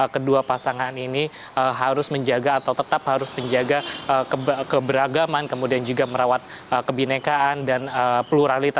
kedua pasangan ini harus menjaga atau tetap harus menjaga keberagaman kemudian juga merawat kebinekaan dan pluralitas